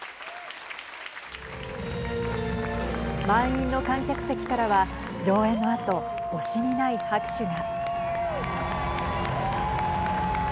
満員の観客席からは上演のあと、惜しみない拍手が。